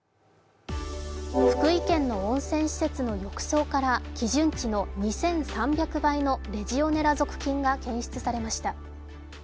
福井県の温泉施設の浴槽から基準値の２３００倍のレジオネラ属菌が検出されました。